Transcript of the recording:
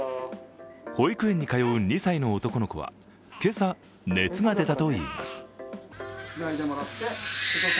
保育園に通う２歳の男の子は今朝、熱が出たといいます。